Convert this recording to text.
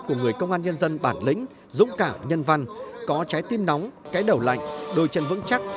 của người công an nhân dân bản lĩnh dũng cảm nhân văn có trái tim nóng cái đầu lạnh đôi chân vững chắc